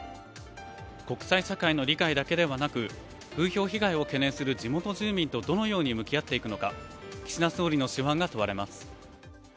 国際社会の理解だけではなく、風評被害を懸念する地元住民とどのように向き合っていくのか岸田総理の手腕が問われます。